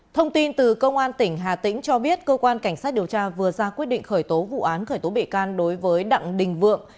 thông tin từ công an tỉnh hà tĩnh cho biết cơ quan cảnh sát điều tra vừa ra quyết định khởi tố vụ án khởi tố bệ can đối với đặng đình vượng